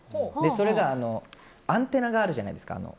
それがアンテナがあるじゃないですか。